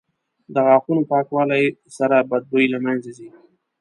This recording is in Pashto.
• د غاښونو پاکوالي سره بد بوی له منځه ځي.